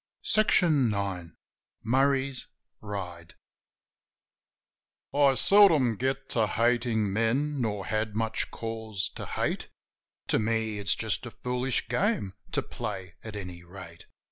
MURRAY'S RIDE Murray's Ride I SELDOM get to hatin' men, nor had much cause to hate ; To me, it's just a fooHsh game to play, at any rate.